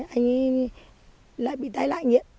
anh ấy lại bị tai lại nghiện